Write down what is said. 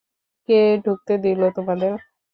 কে ঢুকতে দিলো তোমাদের?